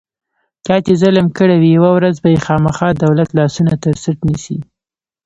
چا چې ظلم کړی وي، یوه ورځ به یې خوامخا دولت لاسونه ترڅټ نیسي.